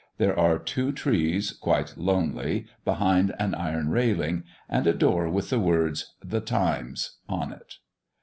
There are two trees quite lonely behind an iron railing, and a door with the words "THE TIMES" on it.